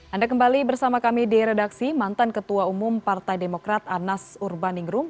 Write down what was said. anda kembali bersama kami di redaksi mantan ketua umum partai demokrat anas urbaningrum